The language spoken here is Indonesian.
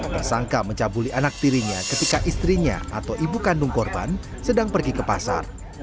tersangka mencabuli anak tirinya ketika istrinya atau ibu kandung korban sedang pergi ke pasar